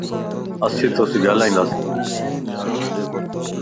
اسين تو سين ھلنداسين